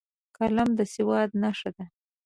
قلم د سواد نښه ده